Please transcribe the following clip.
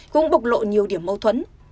cũng bộc lộ nhiều điểm mâu thuẫn